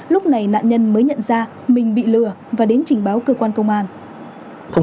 lúc này nạn nhân mới nhận ra mình bị lừa và đến trình báo cơ quan công an